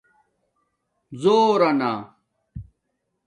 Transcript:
زݸر نا